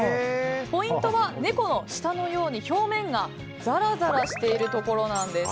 ポイントは猫の舌のように表面がざらざらしているところなんです。